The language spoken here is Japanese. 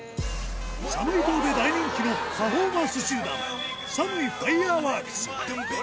サムイ島で大人気のパフォーマンス集団、サムイファイアワークス。